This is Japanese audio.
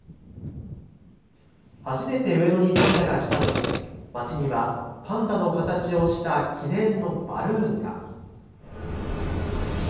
初めて上野にパンダが来たとき、まちにはパンダの形をした記念のバルーンが。